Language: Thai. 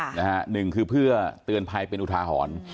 หนึ่งคือเพื่อเตือนภัยเป็นอุทาหรณ์